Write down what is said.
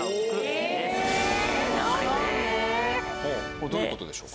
これどういう事でしょう？